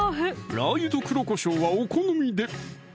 ラー油と黒こしょうはお好みで！